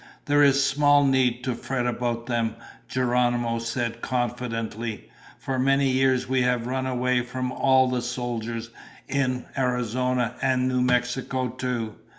"There is small need to fret about them," Geronimo said confidently. "For many years we have run away from all the soldiers in Arizona and New Mexico too.